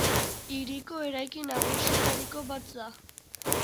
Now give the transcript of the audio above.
Hiriko eraikin nagusietariko bat da.